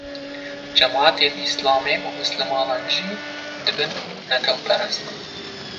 cemeatên Îslamê û misliman jî dibin netewperest